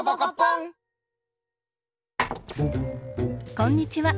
こんにちは。